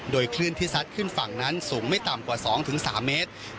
โดยคลื่นที่ซัดขึ้นฝั่งนั้นสูงไม่ต่ำกว่า๒๓เมตร